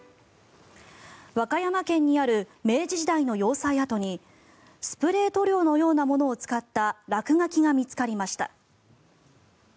和歌山県にある明治時代の要塞跡にスプレー塗料のようなものを使った落書きが見つかりました。